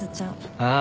ああ。